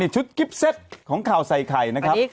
ชุดกิฟเซ็ตของข่าวใส่ไข่นะครับ